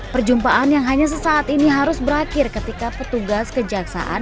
perjumpaan yang hanya sesaat ini harus berakhir ketika petugas kejaksaan